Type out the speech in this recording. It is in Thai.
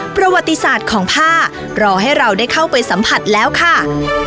ประวัติศาสตร์ของผ้ารอให้เราได้เข้าไปสัมผัสแล้วค่ะ